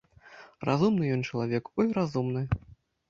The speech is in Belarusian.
Разумны ён чалавек, ой, разумны!